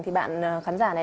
thì bạn khán giả này